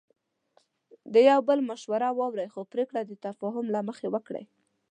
د یو بل مشوره واورئ، خو پریکړه د تفاهم له مخې وکړئ.